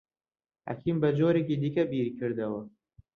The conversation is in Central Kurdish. حەکیم بە جۆرێکی دیکە بیری کردەوە.